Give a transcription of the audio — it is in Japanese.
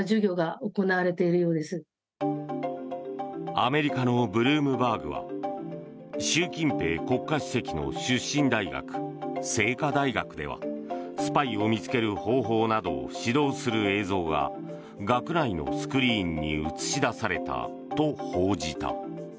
アメリカのブルームバーグは習近平国家主席の出身大学清華大学ではスパイを見つける方法などを指導する映像が学内のスクリーンに映し出されたと報じた。